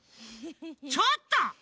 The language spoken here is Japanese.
ちょっと！